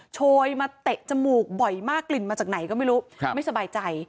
โชยมาเตะจมูกบ่อยมากกลิ่นมาจากไหนก็ไม่รู้ไม่สบายใจ